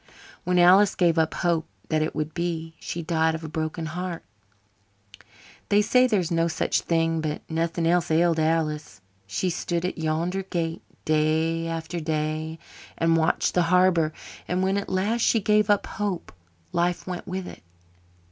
"When Alice gave up hope that it would be, she died of a broken heart. They say there's no such thing; but nothing else ailed Alice. She stood at yonder gate day after day and watched the harbour; and when at last she gave up hope life went with it.